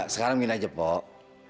sekarang gini aja mpok